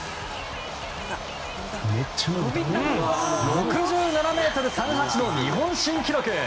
６７ｍ３８の日本新記録！